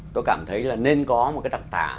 tôi cảm thấy là nên có một cái đặc tả